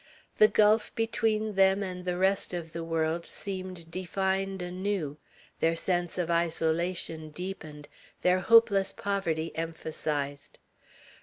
The gulf between them and the rest of the world seemed defined anew, their sense of isolation deepened, their hopeless poverty emphasized.